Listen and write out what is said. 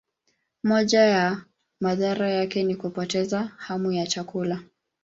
Moja ya madhara yake ni kupoteza hamu ya chakula.